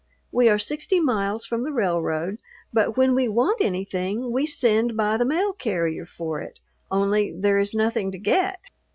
We are sixty miles from the railroad, but when we want anything we send by the mail carrier for it, only there is nothing to get.